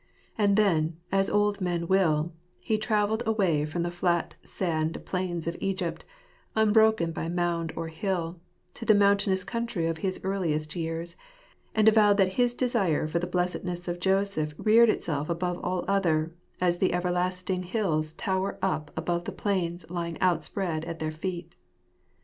And then, as old men will, he travelled away from the flat sand plains of Egypt, unbroken by mound or hill, to the mountainous country of his earliest years, and avowed that his desire for the blessedness of Joseph reared itself above all other, as the everlasting hills tower up above the plains lying outspread at their feet.